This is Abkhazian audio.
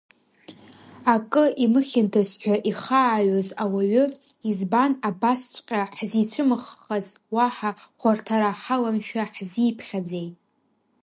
Акы имыхьындаз ҳәа ихааҩоз ауаҩы, избан абасҵәҟьа ҳзицәымыӷххаз, уаҳа хәарҭара ҳаламшәа ҳзиԥхьаӡеи?